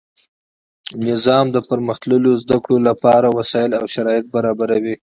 نظام د پرمختللو زده کړو له پاره وسائل او شرایط برابروي.